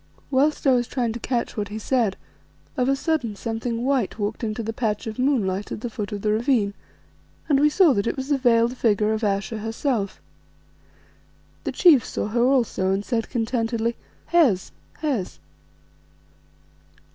Whilst I was trying to catch what he said, of a sudden something white walked into the patch of moonlight at the foot of the ravine, and we saw that it was the veiled figure of Ayesha herself. The chief saw her also and said contentedly "Hes! Hes!"